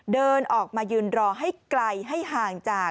เดินออกมายืนรอให้ไกลให้ห่างจาก